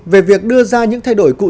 về việc đưa ra những thay đổi cục